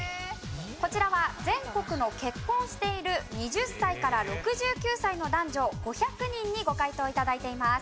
こちらは全国の結婚している２０歳から６９歳の男女５００人にご回答頂いています。